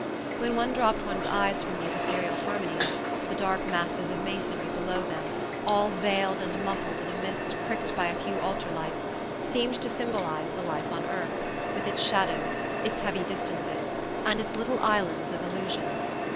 When one dropped one's eyes form these ethereal harmonies, the dark masses of masonry below them, all veiled and muffled in a mist pricked by a few altar lights, seemed to symbolize the life on earth, with its shadows, its heavy distances and its little islands of illusion.